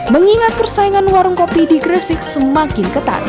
mengingat persaingan warung kopi di gresik semakin ketat